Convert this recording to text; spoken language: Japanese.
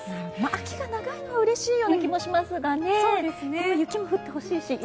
秋が長いのはうれしいような気もしますがでも雪も降ってほしいし。